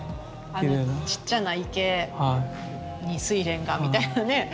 ちっちゃな池にスイレンがみたいなね